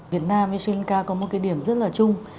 việt nam với sri lanka có một điểm rất là chung